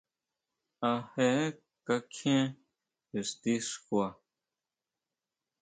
¿A je kakjien ixti xkua.